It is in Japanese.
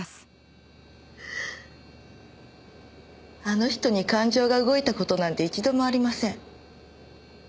あの人に感情が動いた事なんて一度もありません。